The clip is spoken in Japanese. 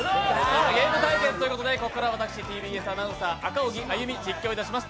ゲーム対決ということでここからは私、ＴＢＳアナウンサー、赤荻歩、中継します。